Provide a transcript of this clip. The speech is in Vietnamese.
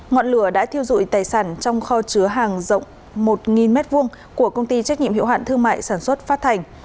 ngọn lửa đã thiêu dụi tài sản trong kho chứa hàng rộng một m hai của công ty trách nhiệm hiệu hạn thương mại sản xuất phát thành